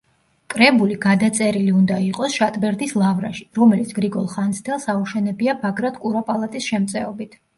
კრებული გადაწერილი უნდა იყოს შატბერდის ლავრაში, რომელიც გრიგოლ ხანძთელს აუშენებია ბაგრატ კურაპალატის შემწეობით.